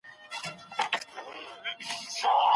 مشران کله د اتباعو ساتنه کوي؟